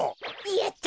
やった！